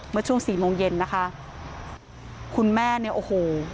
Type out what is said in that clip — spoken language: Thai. เมื่อช่วงสี่โมงเย็นนะคะคุณแม่เนี่ยโอ้โห